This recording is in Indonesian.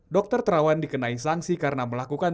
dokter terawan dikenai sanksi karena melakukan